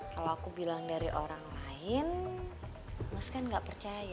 kalau aku bilang dari orang lain mas kan gak percaya